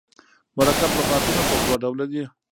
مرکب لغاتونه پر دوه ډوله دي.